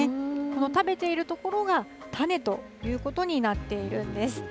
この食べている所が種ということになっているんです。